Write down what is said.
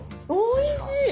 おいしい！